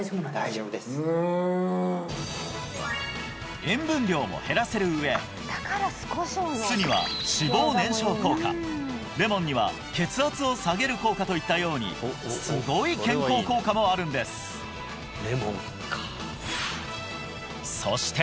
大丈夫です塩分量も減らせる上酢には脂肪燃焼効果レモンには血圧を下げる効果といったようにすごい健康効果もあるんですそして